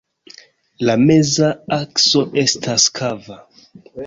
La meza akso estas kava.